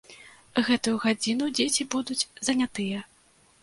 Гэтую гадзіну дзеці будуць занятыя.